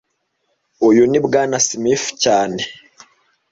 Uyu ni Bwana Smith cyane